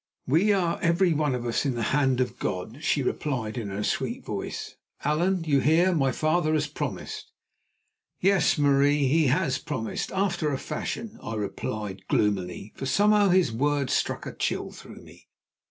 "We are every one of us in the hand of God," she replied in her sweet voice. "Allan, you hear, my father has promised?" "Yes, Marie, he has promised—after a fashion," I replied gloomily, for somehow his words struck a chill through me.